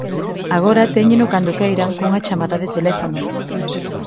Agora téñeno cando queiran cunha chamada de teléfono.